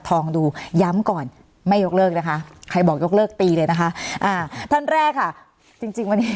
สนับสนุนโดยพี่โพเพี่ยวสะอาดใสไร้คราบ